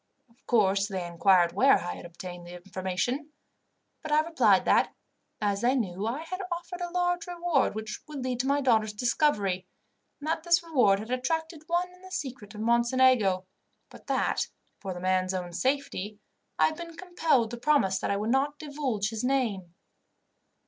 Of course, they inquired where I had obtained the information; but I replied that, as they knew, I had offered a large reward which would lead to my daughters' discovery, and that this reward had attracted one in the secret of Mocenigo, but that, for the man's own safety, I had been compelled to promise that I would not divulge his name.